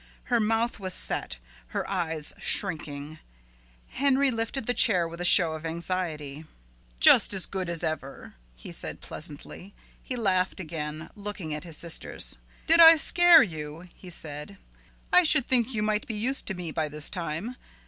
Her mouth was set, her eyes shrinking. Henry lifted the chair with a show of anxiety. "Just as good as ever," he said pleasantly. He laughed again, looking at his sisters. "Did I scare you?" he said. "I should think you might be used to me by this time.